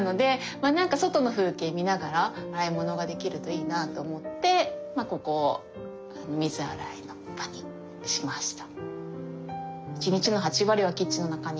まあなんか外の風景見ながら洗い物ができるといいなあと思ってここを水洗いの場にしました。